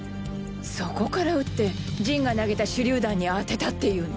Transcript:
そこから撃ってジンが投げた手榴弾に当てたっていうの？